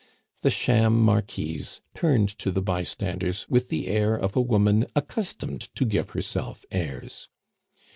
The sham Marquise turned to the bystanders with the air of a woman accustomed to give herself airs.